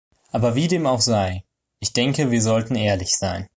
Aber wie dem auch sei, ich denke, wir sollten ehrlich sein.